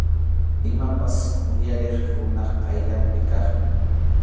Imapas uyariq runap qayllanpi kaqmi.